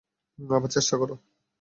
আবার চেষ্টা কর!